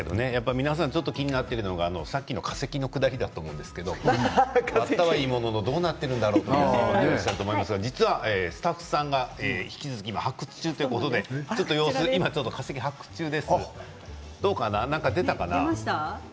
皆さん気になっているのがさっきの化石だと思うんですがやったはいいもののどうなっているんだと思っていると思いますがスタッフさんが引き続き発掘中ということで様子を何か出たかな？